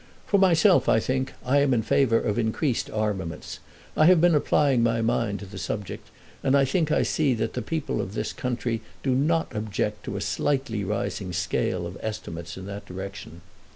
"For myself, I think, I am in favour of increased armaments. I have been applying my mind to the subject, and I think I see that the people of this country do not object to a slightly rising scale of estimates in that direction.